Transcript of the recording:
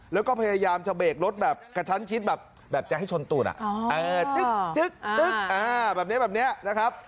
แล้วก็พยายามจะเบรกรถแบบกระชั้นชิดแบบจะให้ชนตูดตึ๊กแบบนี้แบบนี้นะครับ